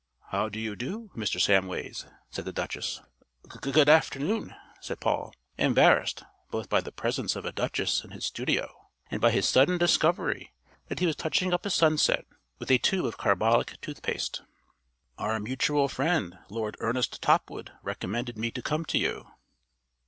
"How do you do, Mr. Samways?" said the Duchess. "G good afternoon," said Paul, embarrassed both by the presence of a duchess in his studio and by his sudden discovery that he was touching up a sunset with a tube of carbolic tooth paste. "Our mutual friend, Lord Ernest Topwood, recommended me to come to you."